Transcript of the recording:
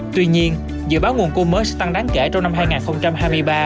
tuy nhiên dự báo nguồn cung mới sẽ tăng đáng kể trong năm hai nghìn hai mươi ba